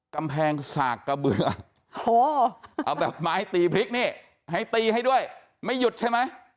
กำแพงสากกระเบือเอาแบบไม้ตีพริกนี่ให้ตีให้ด้วยไม่หยุดใช่ไหม